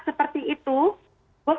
seperti itu tukuh